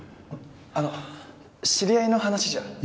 あの知り合いの話じゃ？